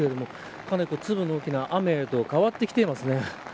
かなり粒の大きな雨へと変わってきています。